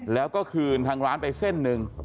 แล้วก็คืนทางร้านไปเส้นหนึ่ง